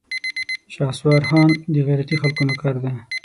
شهسوار خان د غيرتي خلکو نوکر دی.